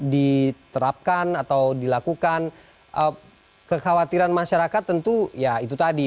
diterapkan atau dilakukan kekhawatiran masyarakat tentu ya itu tadi